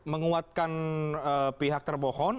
menguatkan pihak terpohon